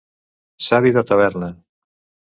Savi de taverna.